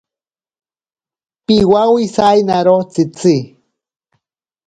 Piwawisainaro tsitsi.